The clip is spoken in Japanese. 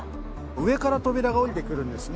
上から扉が下りてくるんですね。